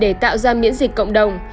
để tạo ra miễn dịch cộng đồng